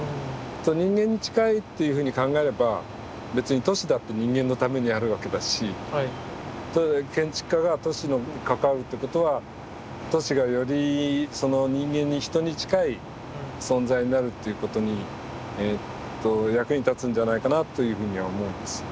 人間に近いっていうふうに考えれば別に都市だって人間のためにあるわけだし建築家が都市に関わるってことは都市がよりその人間に人に近い存在になるっていうことに役に立つんじゃないかなというふうには思うんですよね。